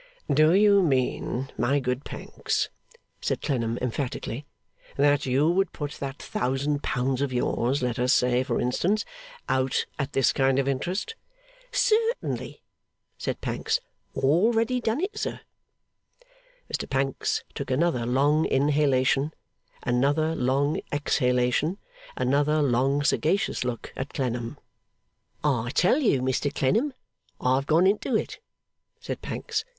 'Do you mean, my good Pancks,' asked Clennam emphatically, 'that you would put that thousand pounds of yours, let us say, for instance, out at this kind of interest?' 'Certainly,' said Pancks. 'Already done it, sir.' Mr Pancks took another long inhalation, another long exhalation, another long sagacious look at Clennam. 'I tell you, Mr Clennam, I've gone into it,' said Pancks.